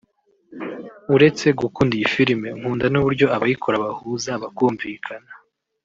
uretse gukunda iyi filime nkunda n’uburyo abayikora bahuza bakumvikana